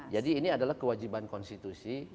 jadi ini adalah kewajiban konstitusi